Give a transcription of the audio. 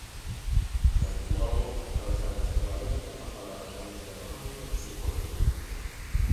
Dende logo, fai falla ser valente para falar de política económica co seu currículo.